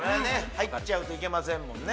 入っちゃうといけませんもんね